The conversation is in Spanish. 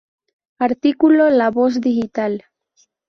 Artículo La Voz Digital